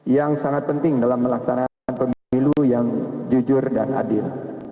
yang sangat penting dalam melaksanakan pemilu yang jujur dan adil